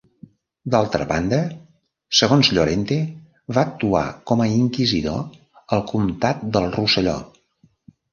D'altra banda, segons Llorente, va actuar com a inquisidor al comtat del Rosselló.